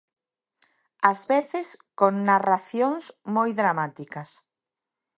Ás veces, con narracións moi dramáticas.